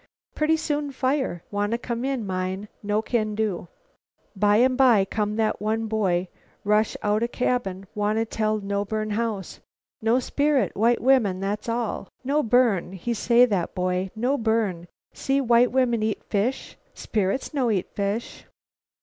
Pretty soon fire. Wanna come in mine. No can do. "By and by come that one boy, rush outa cabin; wanna tell no burn house. No spirit; white woman, that's all. No burn. He say, that boy, 'No burn. See white woman eat fish. Spirits no eat fish.'